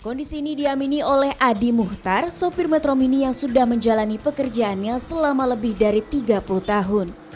kondisi ini diamini oleh adi muhtar sopir metro mini yang sudah menjalani pekerjaannya selama lebih dari tiga puluh tahun